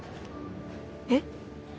えっ？